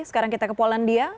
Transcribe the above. sekarang kita ke polandia